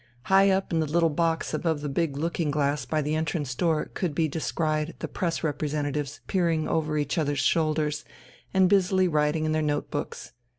High up in the little box above the big looking glass by the entrance door could be descried the press representatives peering over each other's shoulders and busily writing in their notebooks....